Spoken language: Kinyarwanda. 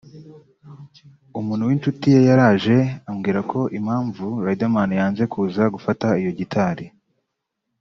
umuntu w’inshuti ye yaraje ambwira ko impamvu Riderman yanze kuza gufata iyo gitari